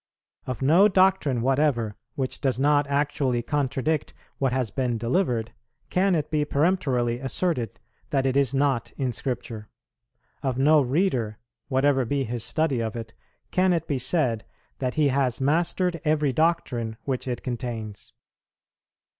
Of no doctrine whatever, which does not actually contradict what has been delivered, can it be peremptorily asserted that it is not in Scripture; of no reader, whatever be his study of it, can it be said that he has mastered every doctrine which it contains.